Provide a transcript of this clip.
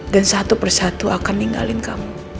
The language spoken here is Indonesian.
dan satu persatu akan ninggalin kamu